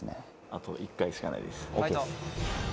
あと１回しかないですＯＫっす